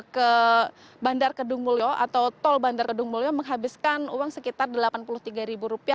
ke bandar kedung mulyo atau tol bandar kedung mulyo menghabiskan uang sekitar delapan puluh tiga ribu rupiah